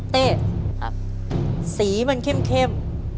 เต้สีมันเข้ม